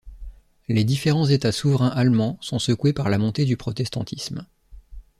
Les différents États souverains allemands sont secoués par la montée du protestantisme.